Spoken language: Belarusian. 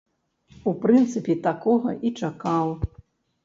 У прынцыпе, такога і чакаў.